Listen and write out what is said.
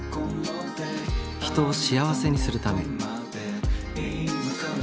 人を幸せにするため。